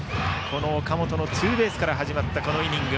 岡本のツーベースから始まったこのイニング。